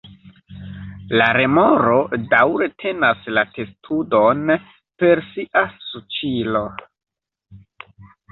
La remoro daŭre tenas la testudon per sia suĉilo.